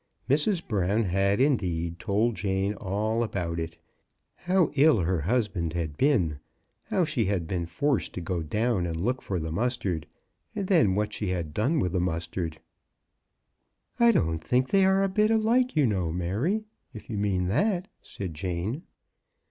Mrs. Brown had, indeed, told Jane all about it, — how ill her husband had been, how she had been forced to go down and look for the mustard, and then what she had done with the mustard. "I don't think they are a bit alike, you know, Mary, if you mean that," said Jane.